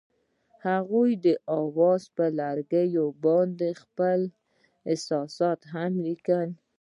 هغوی د اواز پر لرګي باندې خپل احساسات هم لیکل.